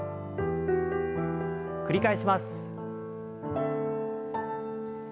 繰り返します。